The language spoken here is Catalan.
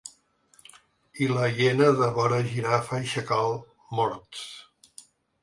I la hiena devora girafa i xacal, morts.